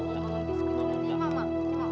kasihan ya lara